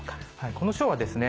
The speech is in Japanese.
この賞はですね